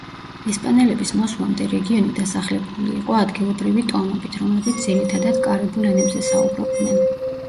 ესპანელების მოსვლამდე, რეგიონი დასახლებული იყო ადგილობრივი ტომებით, რომლებიც ძირითადად კარიბულ ენებზე საუბრობდნენ.